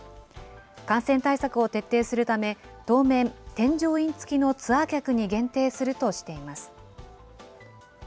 感染対策を徹底するため、当面、添乗員付きのツアー客に限定するとしています。